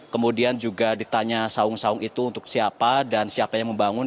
kemudian juga ditanya saung saung itu untuk siapa dan siapa yang membangun